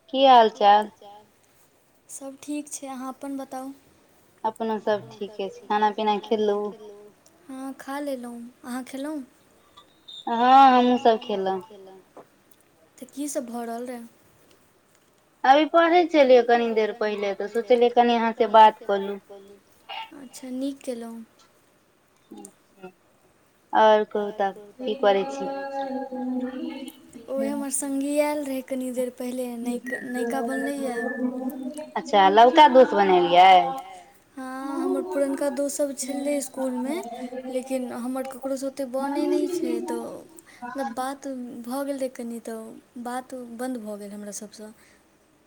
ह कि हाल चाल सब ठीक छै अहाँ अपन बताउ अपनो सब ठीके छै खाना पीना खेलू हँ खा लेलहुँ अहाँ खेलहुँ हँ हमहूँसभ खेलहुँ तऽ कीसभ भऽ रहल रहए अभी पढ़ै छलियै कनि देर पहिले तऽ सोचलियै कनि अहाँ से बात कलू अच्छा नीक केलहुँ ठीक छै ओर कहुं कि करैत छी आओ ओह हमर सङ्गी आयल ते कनी देर पहिले न्य नयका बनलै य अच्छा लौक दूध बनेलै हँ हमर पुरनका दोस्तसभ छलै स्कूल में लेकिन हमर ककरोसँ ओतेक बनै नहि छै तऽ मतलब बात भऽ गेल रहै कनि तऽ बात बन्द भऽ गेल हमरा सबसँ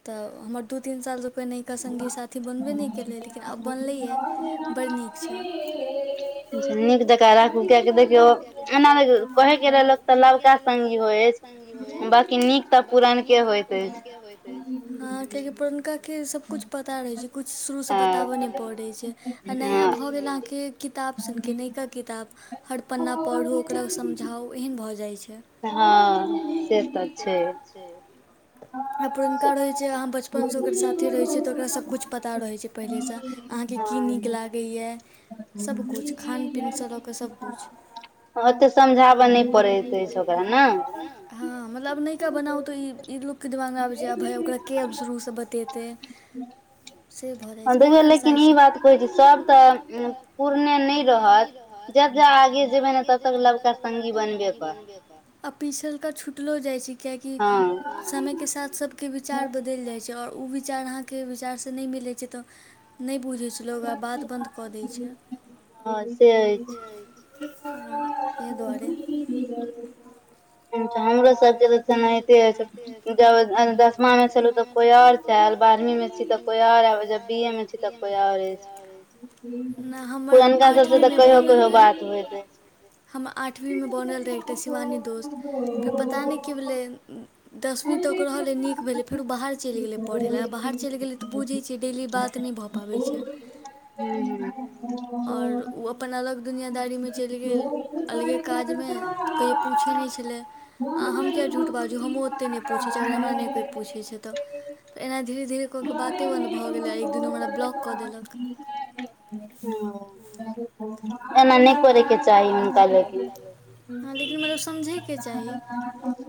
तऽ हमर दू तीन सालसँ कोइ नका सङ्गी साथी बनबे नहि केलै लेकिन आब बनलैया बडड़ नीक नीक देख [inaudible] राखू किया के देखियो एना कहे के रहे लोक तऽ लड़का सगी होइ अछि ी नीक तऽ पुरनक के होइत अछि कि पुरनका क सब कुछ पता रहेय छै कुछ शुरू स बताबे‌ नै परै छे आ नया भऽ गेल कहां के किताब सुनिके नवका किताब हर पन्ना पढ़ू ओकरा समझाउ एहन भऽ जाइ छै हँ से तऽ छै आ पुरनका रहैत छै अहाँ बचपन सँ ओकर साथी रहैत छियै तऽ ओकरा सब किछु पता रहैत छै पहिले सँ आहाँ के की निक लागे या [inaudible] पेिनसँ [unintelligible] लऽ कऽ सबकुछ और तु समझा दे नेइ करे के [unintelligible] नइ हां मतलब नेका बनाउ त इ इ ई लोकके दिमागमे आब जे आबै भइ ओकरा के आब शुरू से बतेतै। से भऽ जाइ छै मन अलसाइ छै [inaudible] लेकिन ई बात केह दे चियो आब नत पुरने नइ रहत [inaudible] जब जब आगे जेबे ने तब तब लवका संगी बनबे करत अ पिछल्का छुट लो जाइ छै कियाकि हाँ समयके साथ सबके विचार बदइल जाइ छै ओर ऊ विचार अहाँके विचारसे नइ मिलै छै तऽ नइ बुझै छै लोग आब बात बन्द कऽ दै छै। [inaudible] हमरो सब [unintelligible] तऽ केनाहिते जब अ अ दसमा में छलू तऽ कोई आर चाल बारहवीं [unintelligible] मे छी तऽ कोई और आबे छै बी ए मे छी त को‌ई कोई और अछि पुरनका सबसे तऽ कहियो कहियो बात होइत अछि। हमर आठवीं मे बॉनल रहे एकटा शिवानी दोस्त फेर पता नहि की भेलै दसवीं तक रहलै नीक भेलै फेरो बाहर चलि गेलै पढ़य लऽ बाहर चलि चलि गेले तऽ बुझै छिये डेली बात नऽ भऽ पाबै छै ओर ऊ अपन अलग दुनियादारीमे चलि गेल अलगे काजमे त कहियो पूछै नहि छलि आ हम किया झूठ बाजू हमहुँ ओते नहि पूछै छियै अगर हमरा नऽ कोइ पूछै छै तऽ एहिना धीरे धीरे कऽ के बाते बन्द भऽ गेलै एक दिन हमरा कह देलक। [inaudible] एना नऽ करयके चाही हुनका लोक हँ लेकिन मगर समझे के चाही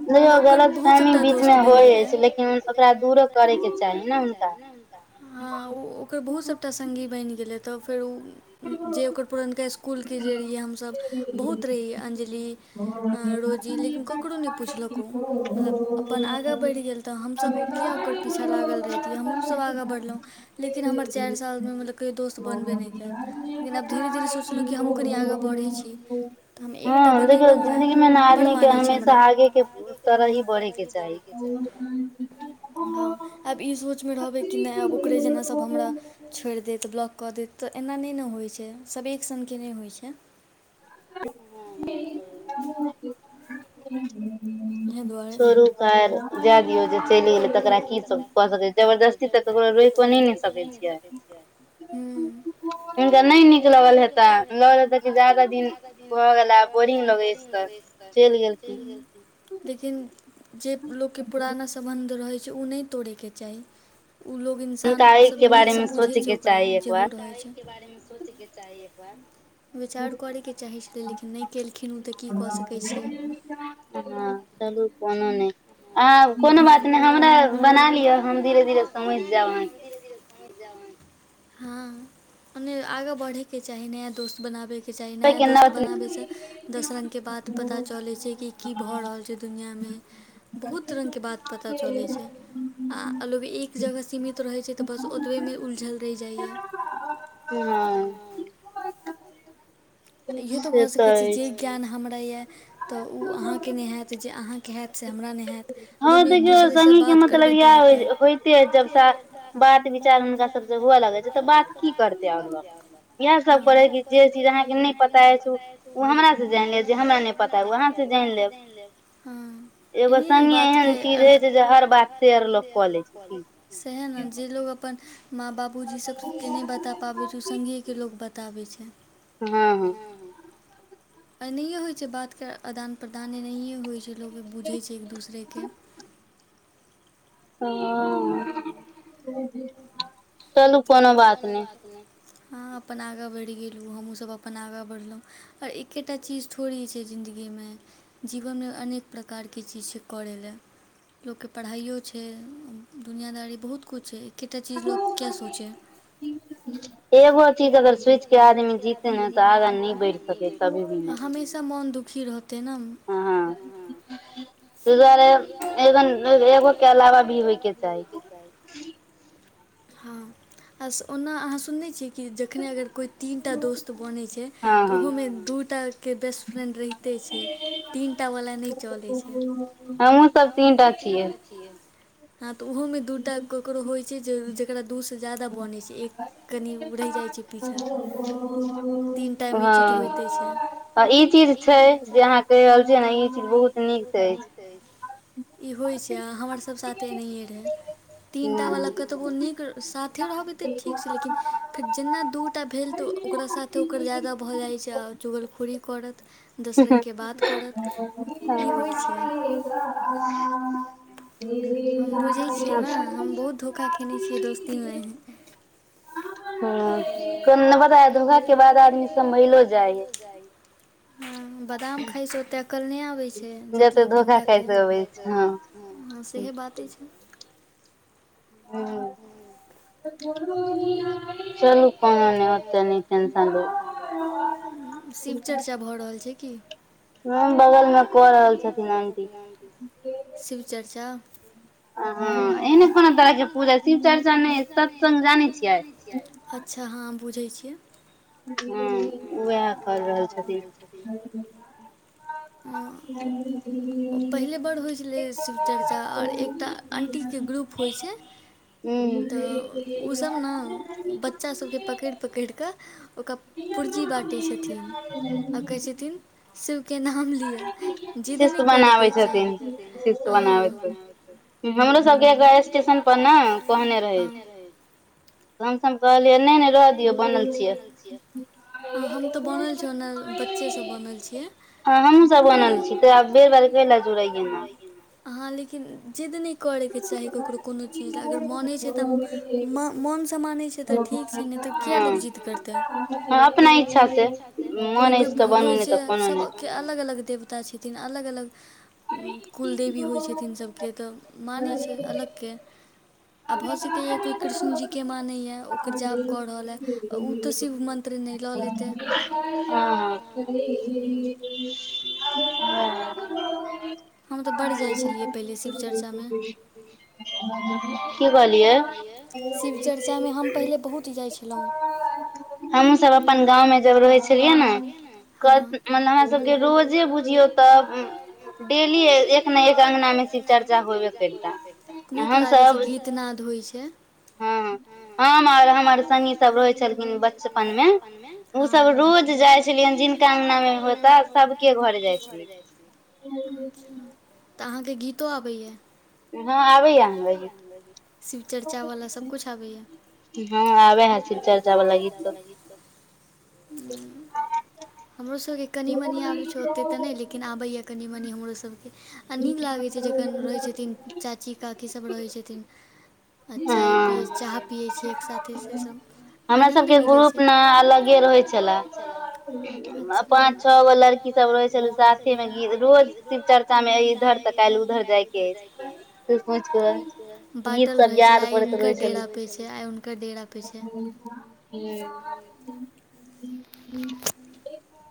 देखयौ गलतफह्मि बीचमे होइ अछि लेकिन ओकरा दूरो करेके चाही नऽ हुनका हँ उऽ कर बहुत सभटा संगि बेन गले तऽ फेर उऽ न जे औकर पुरनका स्कूल जे रहियै हमसब बहुत रहियै अंजली अऽ रोजी लेकिन ककरो नइ पुछलको। मतलब अपन आगा बेढ़ गेल तऽ हमसभ किया ओकर पीछा लागल रहहितिय हमहुं सब आगा बढ़लौँ। लेकिन हमर चारि साल में मतलब कोइ दोस्त बनबे नऽ कैल लेकिन आब धीरे धीरे सोचलहुँ हमहुं कनि आगाँ बढ़ै छी। हँ देखलों जिंन्दगी मे नऽ आदमी के हमेशा आगे के [inaudible] गुण तोरा ई बोले के चाहि हां अब ई सोच सच मैं रहबे की नऽ आब ओकरे ज़ना सभ हमरा छोरि देत ब्लॉक कऽ देत तऽ एना न‌ऽ ने होइ छै सभ एक सनके नऽ होइ छै। [unintelligible] छोरू कैर जाय दियौ जे चलि गेलै तकरा की सब [unintelligible] जबरदस्ती त‌ऽ तऽ र रोइको न‌ऽ न सकै छियै हुनका न‌ऽ नीक लगल हेतै लगल हेते त जाादा दिन ‌‌भऽ गेल आब बोरिंग लगे अछि तऽ चलि गेलखिन। लेकिन जे लोकके पुराना सम्बन्ध रहै छै ओ नऽ तोड़यके चाही ऊ लोग इन्सान सब नीकसे बुझै छै ओकरा जेहो रहे छै। दूध तारिख के बारै मे कतिक चाहिए अपन विचार करयके चाहै छलै लेकिन नहि केलखिन ओ तऽ की कऽ सकै छियै चालू कोनो नहि अहाँ कोनो बात नहि हमरा बना लिअ हम धीरे धीरे समझ जायब अहाँके हँ ओने आगाँ बढ़ैके चाही नया दोस्त बनाबैके चाही नया दोस्त बनाबे से दस रंग के बात पता चले छै कि की भए रहल छै दुनियामे बहुत रंगके बात पता चलैत छै आ लोग एक जगह सीमित रहैत छै तऽ बस ओतबहिमे उलझल रहि जाइए हँ इहो तऽ भऽ सकैत छै जे ज्ञान हमरा यए तऽ ओ अहाँके नहि हैत जे अहाँके हाएत से हमरा नहि हाएत दुनू एक दूसरेसँ बात करबै तऽ हेतै बात विचार हुनका सबसँ हुए लगे छै तऽ बात की करते हमलोग इह सब करे क जे चीज अहाँके न नहि पता है त हमरा से जांगे हमरा नहि पता ह वहाँ से जान लेब एगो सङ्गे एहन चीज होइत छै जे हर बात शेयर लोक कऽ लै छै की जे लोग अपन माँ बाबूजी सबके नहि बता पाबै छै ओ सङ्गीेके लोको बताबै छै हँ हँ एनाये होइ छै बात के आदान प्रदान एनाहिये होइ छै जे लोग बुझै छै एक दोसरेके ह चलू कोनो बात नहि अहाँ अपन आगाँ बढ़ि गेलहुँ हमहूँसभ अपन आगाँ बढ़लहुँ आओर एकेटा चीज थोड़ी छै ज जिन्दगीमे जीवनमे अनेक प्रकारके चीज छै करै लए लोककेँ पढ़ाइयो छै दुनिनादारी बहुत किछु छै एकेटा चीज लोक क होू छै ह एगो चीज अगर सोच के आदमी जीते ने तऽ आगा नहि बढ़ सकै कभी भी नहि खीर होतै ने ताहि दुआरे एन एगोके अलावा भी होयके चाही हँ आ ओना अहाँ सुनने छी कि जखने अगर कोइ तीनटा दोस्त बनै छै तऽ ओहोमे दूटा के बेस्ट फ्रेंड रहिते छै तीनटा वाला चल छै हमहुँ सब तीटा छियै तऽ ओहो मे दूटा ककरो होइ छै जे जेकरा दू जदा बन छै एक कनि रहि जाय छै पीछा तीन टाइम ई चीज दै छै आ ई चीज छै जे अहाँ कहि रहल छियै ने ई चीज बहुत नीक अछि ई होइत छै आ हमरसभ साथे एनाहियए रहए तीनटा वला कतहु नीक साथे रहबै तऽ ठीक छै लेकिन फेर जेना दूटा भेल तऽ ओकरा साथे ओकर जााददा भऽ जाइ चुगल खुरड़ी हुहु हम बुझै छियै ने हम बहुत धोखा खेने छियै दोस्तीमेहन ह को नहि बता धोखा के बाद आदमी सब महिलो जाइ है ह बादाम खाइ छै ओतै करने आबै छै जतेक लोक धोखाे सएह बात हो छै ह ठ चलू कोनो नहि ओते न टेंशन ल शिव चर्चा भऽ रहल छै की ह बगलमे कऽ रहल छथिन आंटी हँ एहने कोनो तरहके पूजा शिव चर्चा नहि सत्स्ग जानै छियै अच्छा हँ बुझै छिै ह उएह कर रहल छथिन नी आओर एकटा अंटीके ग्रुप होइ छै तऽ ओसभ ने बच्चासभके पकड़ि पकड़ि कऽ ओकरा पुर्जी बाँटै छथिन आ कहै छथिन शिष्य बनाबै छथिन शिष बनाबैत हमरो सबके एकग स्टेशन पर ने कहने रहै कस हम कहलियै नहि ने रहहि दियौ बनल छियै आ हम तऽ बनल छी ओन बच्चेसँ बनल छियै हँ हमहहुँ सब बनल छी तऽ आब बेर बेार क ल जुड़ैये ने कि जिद नहि करैके चाही ककरो कोनो चीज ला अगर मानै छै तऽ मन स मानै छै तऽ ठीक छै नहि हँ अपना इच्छा से मोन अछि तऽ बनू नहि तऽ कोनो नहि के अलग अलग देवता छथिन अलग अलग कुलदेवी होइ छथिन सभके तऽ मानै छै अलगके आ भऽ सकै या कोई कृष्ण जी के मानैया ओकर जाप कऽ रहल हे ओ तऽ शिव मंत्र आ हँ [unintelligible] [unintelligible] सब अपन गाँव मे जब रहै छलियै न म हमरा सबके रोजे बुझियौ त डेली एक ने एक अङगनामे शिव चर्चा होइबे करिता हमसभ केनाद होइ छै हँ हम आर हमर सङ्गी सब रहै छलखिन बचपन मे ओ सब रोज जाइ छलियैन जिनका अंगना मे होता सबके घरे जाइ छलियै [unintelligible] तऽ अहाँके गीतो आबैया ह आबैया हमरा गीत शिव चर्चा वाला सबकुछ आबैया हँ आबे है शिव चर्चा वला गीत सब [unintelligible] [unintelligible] हमरोसबके कनि मनि आबै छै ओते तऽ नहि लेकिन आबैया कनि मनी हमरोसबके आ नीक लागैत छै जखन रहैत छथिन चाची काकीसभ रहैत छथिन आ चाय पियै चाह पियै छियै एक सााथे से सभ आनन्द मिलैत छै अलगे रहै छले पाँच छओ गो लड़की सब रहै छले साथे मे रोज शिव चर्चा मे इधर तऽ काल्हि उधर जाय के अछि सो सोच के गीत सब याद करैत रहै छल ह [inaudible] ह ह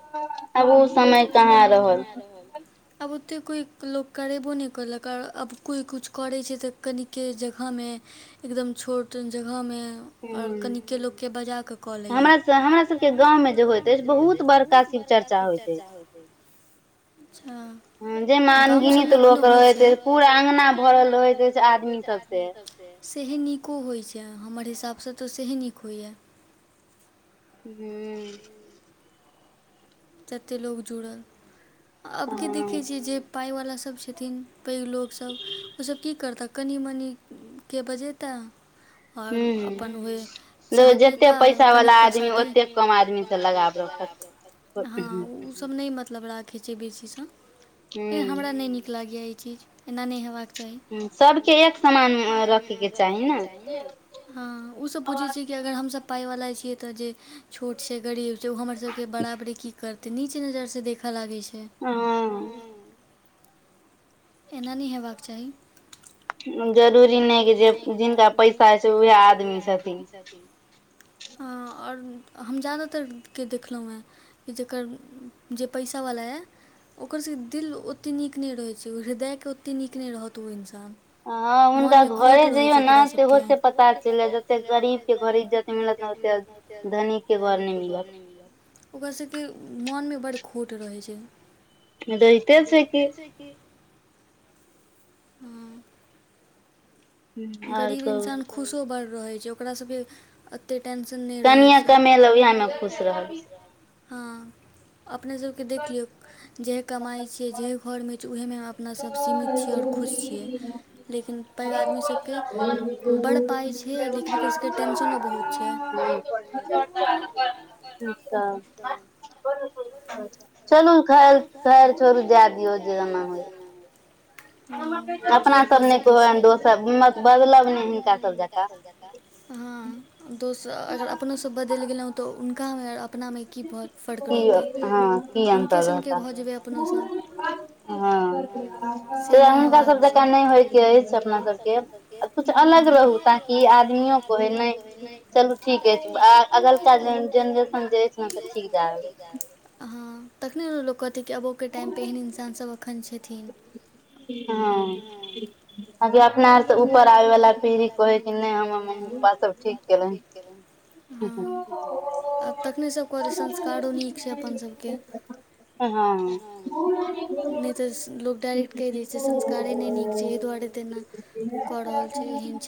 आब ओ समय कहाँ रहल कतेक कोइ लोक करेबो नहि करलक आओ अब कोइ कुछ करै छै तऽ कनिके जगहमे एकदम छोट जगह में कन लोकके बज ल सबके गाँवमे होहु चर्ा होइ छै अच्छा जाहिमे अनगिनित लोक रहैत छै पूरा अङंगना भरल रहैत छै आदमी सब से सह नीको होइत छै हमर हिसाबसँ तऽ सह नीक होइए हू जतेक लोक जुड़ल आबके देखैत छ जे पावला सभ छथिन पैघ लोकसभ ओसभ की करताह कनि मनिके बजेताह आओर अपन हए चाह पीता कनिक परसादी आदमी ल हँ ओ सब नहि मतलब राखय छै बेसीसँ लेक हमरा नहि नीक लागय चीज एना नहि हव हँ ओ सब बुझ छै अगर हमस पााय वालला छीियै तऽ जे छोट छै गरीब छै ओ हमर सब के बराबरे की करते नीचे नजर से देखऽ लागे छै एना नहि हेबाक चाही जरूरी नहि कि जे जिनका पैसा हइ छै उएह आदमी छथिन हँ आओर हम जादातरके देखलहुँ हेँ कि जकर जे पैसावला यए ओकरसँ दिल ओतेक नीक नहि रहैत छै हृदयके ओतेक नीक नहि रहत ओ इन्सान ह हुनका घरे जइयौ ने तेहो से पता चलि जाय जते गरीब के घरे इज्जत मिलत त धनी के घर मिल ओकरा सबके मन मे बड्ड खोट रहै छै नहि दहिते छैै किी हँ गरीब इन्सान खुशो बढ़ रहै छै ओकरा सब एते टेंशन नहि रहै छै हँ अपना सबके देख लियौ जेहे कमाइ छियै जेह घरमे छै उहमे अपना सब सीमित छीियै आओर खुद छ लेकिन पैद आदमी ओ अचछा चलू खैर खैर छोड़ू जाय दियौ जे एना होय ह कि कऽ सकैत छी बदलाव नहिल जेता हँ दोस अगर अपनोसभ बदलि गेलहुँ तऽ हुनकामे अपनामे की बहुत फर्क रहतै ह हुनका सब हो अपना सबके कुछु अलग रहू ताकि आदमियो कहै नहि चलू ठीक ठ अगलका जेनरेशन जे अछि म तखने ने लोक कहतै कि आबोके टाइमपर एहन इन्सानसभ एखन छथिन हँ आ अपना आरसँ ऊपर आबेवालला पीढ़ी कहै ह कि नहि हमर मम्मी पप्पा सब ठीक केलै हं हँ दुरे तना कऽ रहल छै एन